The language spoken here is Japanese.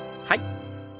はい。